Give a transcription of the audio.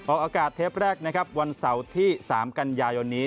ออกอากาศเทปแรกนะครับวันเสาร์ที่๓กันยายนนี้